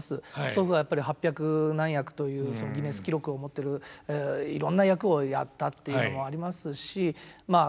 祖父は八百何役というギネス記録を持ってるいろんな役をやったっていうのもありますしまあ